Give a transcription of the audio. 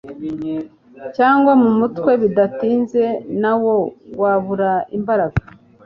cyangwa mu mutwe bidatinze nawo wabura imbaraga.